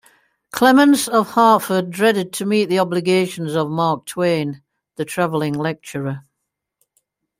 Clemens of Hartford dreaded to meet the obligations of Mark Twain, the traveling lecturer.